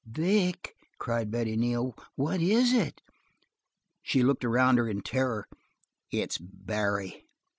"Vic," cried Betty Neal, "what is it!" She looked around her in terror. "It's Barry."